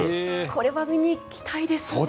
これは見に行きたいですね。